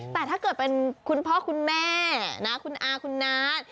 แต่ถ้าเกิดเป็นคุณพ่อคุณแม่นะคุณอาคุณนัท